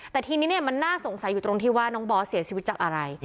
แต่ทีนี้มันน่าสงสัยอยู่ตรงที่ว่าน้องบอสเสียชีวิตจากอะไร